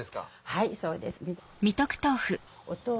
はいそうです。